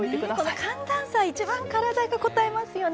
この寒暖差、一番体にこたえますよね。